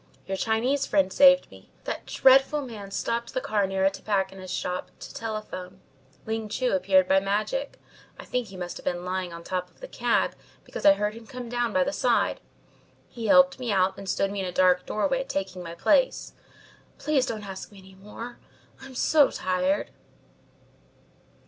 "Your Chinese friend saved me. That dreadful man stopped the cab near a tobacconist's shop to telephone. Ling Chu appeared by magic. I think he must have been lying on top of the cab, because I heard him come down by the side. He helped me out and stood me in a dark doorway, taking my place. Please don't ask me any more. I am so tired."